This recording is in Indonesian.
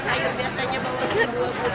cabainya biasanya dua